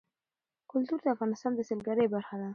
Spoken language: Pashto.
کلتور د افغانستان د سیلګرۍ برخه ده.